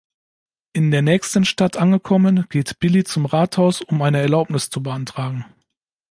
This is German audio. In der nächsten Stadt angekommen, geht Billy zum Rathaus, um eine Erlaubnis zu beantragen.